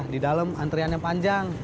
di dalam antriannya panjang